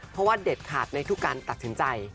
เพราะว่าเด็ดขาดในทุกการตัดสินใจ